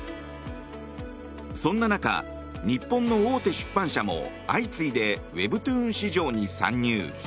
そんな中、日本の大手出版社も相次いでウェブトゥーン市場に参入。